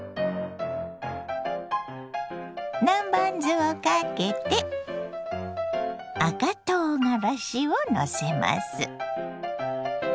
南蛮酢をかけて赤とうがらしをのせます。